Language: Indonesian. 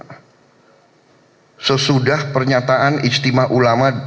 yang sesudah pernyataan istimah ulama